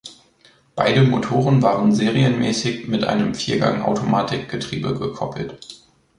Beide Motoren waren serienmäßig mit einem Viergang-Automatikgetriebe gekoppelt.